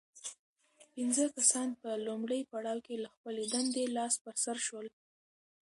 پنځه کسان په لومړي پړاو کې له خپلې دندې لاس په سر شول.